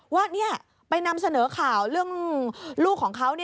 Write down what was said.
ว่าไปนำเสนอข่าวเรื่องลูกของเขา